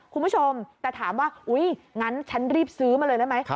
คุณผู้ชมแต่ถามว่าอุ๊ยงั้นฉันรีบซื้อมาเลยได้ไหม